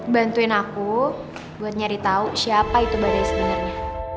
bantuin aku buat nyari tahu siapa itu badai sebenarnya